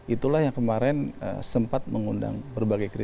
itulah yang kemarin sempat mengundang berbagai kritik